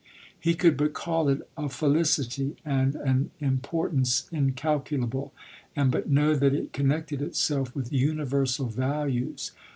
He could but call it a felicity and an importance incalculable, and but know that it connected itself with universal values.